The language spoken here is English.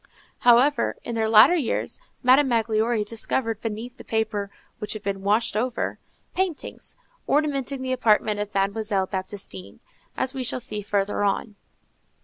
However, in their latter years, Madame Magloire discovered beneath the paper which had been washed over, paintings, ornamenting the apartment of Mademoiselle Baptistine, as we shall see further on.